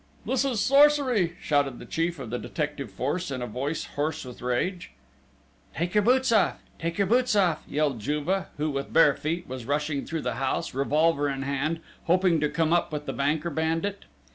"This is sorcery!" shouted the chief of the detective force, in a voice hoarse with rage. "Take your boots off!... Take your boots off!" yelled Juve, who, with bare feet, was rushing through the house, revolver in hand, hoping to come up with the banker bandit!...